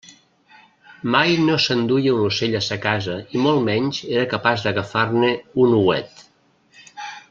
Mai no s'enduia un ocell a sa casa i molt menys era capaç d'agafar-ne un ouet.